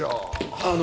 あの。